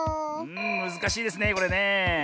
むずかしいですねこれねえ。